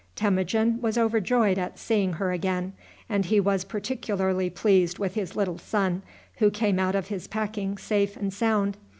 Temujin was overjoyed at seeing her again; and he was particularly pleased with his little son, who came out of his packing safe and sound.